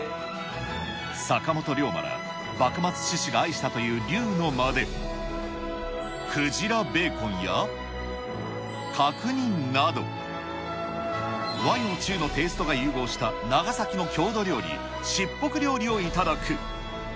坂本龍馬ら、幕末志士が愛したという竜の間で、クジラベーコンや、角煮など、和洋中のテイストが融合した長崎の郷土料理、卓袱料理を頂く。